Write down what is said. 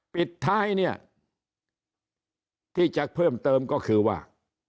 ปิดท้ายเนี่ยที่จะเพิ่มเติมก็คือว่า